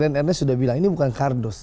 rian ernest sudah bilang ini bukan kardus